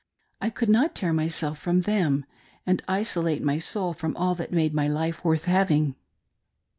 I could not tear myself from them, and isolate my soul from all that made life worth having.